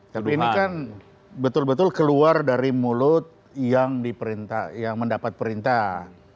tapi ini kan betul betul keluar dari mulut yang di perintah yang mendapat perintah